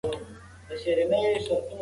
زوی یې په بن کې د خپلې مور ډېر خیال ساتي.